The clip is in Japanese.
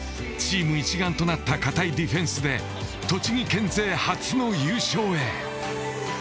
チーム一丸となった堅いディフェンスで栃木県勢初の優勝へ。